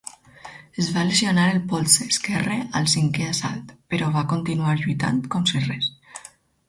Es va lesionar el polze esquerre al cinquè assalt, però va continuar lluitant com si res.